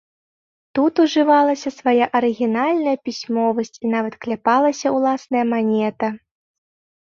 Тут ужывалася свая арыгінальная пісьмовасць і нават кляпалася ўласная манета.